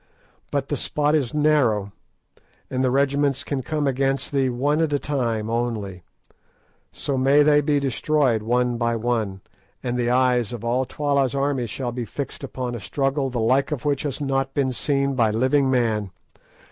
But the spot is narrow, and the regiments can come against thee one at a time only; so may they be destroyed one by one, and the eyes of all Twala's army shall be fixed upon a struggle the like of which has not been seen by living man.